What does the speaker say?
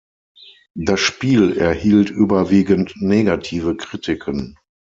Das Spiel erhielt überwiegend negative Kritiken.